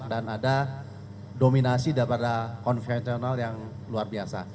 dan ada dominasi daripada konfesional yang luar biasa